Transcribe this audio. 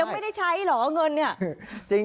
ไม่ได้ใช้เหรอเงินเนี่ย